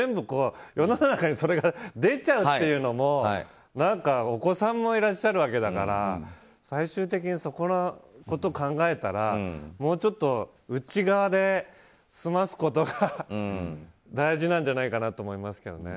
世の中に全部それが出ちゃうっていうのもお子さんもいらっしゃるわけだから最終的に、そこのことを考えたらもうちょっと内側で済ますことが大事だと思いますけどね。